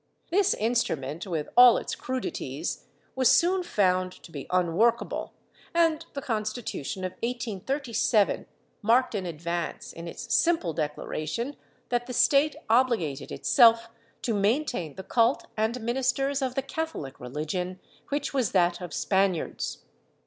This instrument, with all its crudities, was soon found to be unworkable, and the Constitution of 1837 marked an advance, in its simple declaration that the State obligated itself to maintain the cult and ministers of the Catholic religion, which was that of Spaniards.